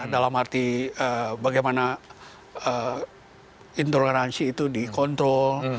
dalam arti bagaimana intoleransi itu dikontrol